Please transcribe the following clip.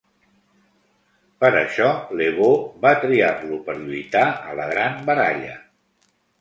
Per això Le Beau va triar-lo per lluitar a la gran baralla.